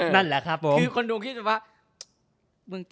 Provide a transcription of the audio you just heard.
คือคนดูมึงคิดเหมือนว่า